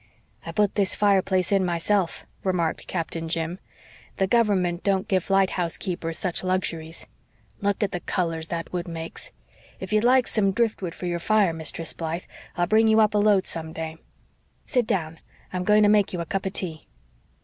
"I put this fireplace in myself," remarked Captain Jim. "The Government don't give lighthouse keepers such luxuries. Look at the colors that wood makes. If you'd like some driftwood for your fire, Mistress Blythe, I'll bring you up a load some day. Sit down. I'm going to make you a cup of tea."